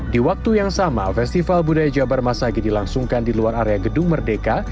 di waktu yang sama festival budaya jabar masagi dilangsungkan di luar area gedung merdeka